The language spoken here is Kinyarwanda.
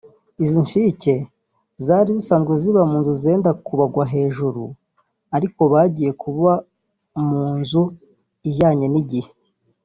Izi nshike zari zisanzwe ziba mu nzu zenda kuzabagwa hejuru ariko bagiye kuba mu nzu ijyanye n’igihe